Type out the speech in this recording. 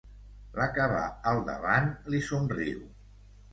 La que va al davant li somriu.